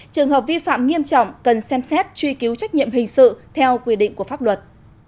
trường hợp vi phạm nghiêm trọng cần xem xét truy cứu trách nhiệm hình sự theo quy định của pháp luật